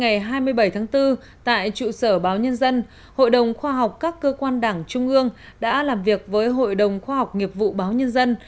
ngày hai mươi bảy tháng bốn tại trụ sở báo nhân dân hội đồng khoa học các cơ quan đảng trung ương đã làm việc với hội đồng khoa học nghiệp vụ báo nhân dân